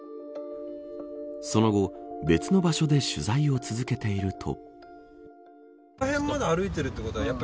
その後、別の場所で取材を続けていると。